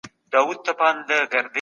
په صنف کي شور مه کوئ.